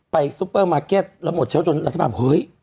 ไปซุปเปอร์มาร์เก็ตแล้วหมดเชลฟจนเราจะบอกเฮ้ย